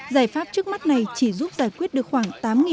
giải pháp trước mắt này chỉ giúp giải quyết được khoảng